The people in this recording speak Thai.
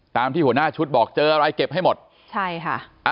ที่หัวหน้าชุดบอกเจออะไรเก็บให้หมดใช่ค่ะ